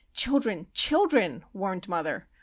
"Children! children!" warned mother.